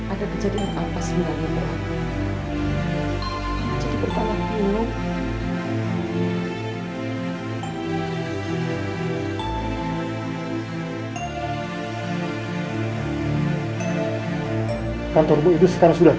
ada kejadian apa sendiri